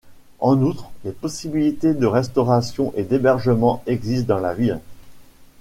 En outre, des possibilités de restauration et d'hébergement existent dans la ville.